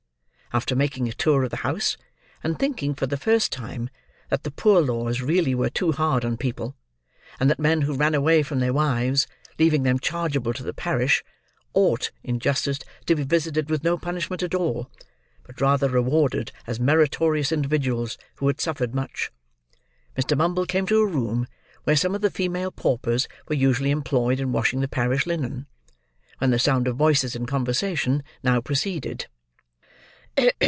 After making a tour of the house, and thinking, for the first time, that the poor laws really were too hard on people; and that men who ran away from their wives, leaving them chargeable to the parish, ought, in justice to be visited with no punishment at all, but rather rewarded as meritorious individuals who had suffered much; Mr. Bumble came to a room where some of the female paupers were usually employed in washing the parish linen: when the sound of voices in conversation, now proceeded.